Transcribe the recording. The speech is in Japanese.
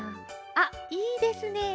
あっいいですね。